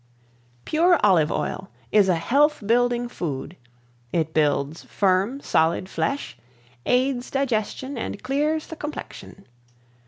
] PURE OLIVE OIL Is a health building food. It builds firm solid flesh, aids digestion and clears the complexion.